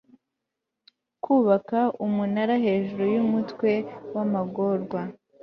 kubaka umunara hejuru yumutwe wamagorwa